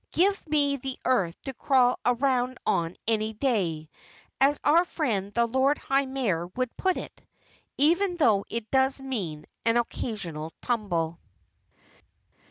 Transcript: "Give me the earth to crawl around on any day, as our friend the Lord High Mayor would put it, even though it does mean an occasional tumble."